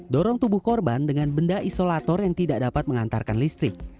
dorong tubuh korban dengan benda isolator yang tidak dapat mengantarkan listrik